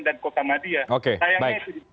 dan kota madia sayangnya itu